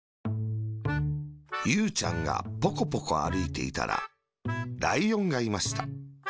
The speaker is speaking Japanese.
ゆうちゃんがポコポコあるいていたら、ライオンがいました。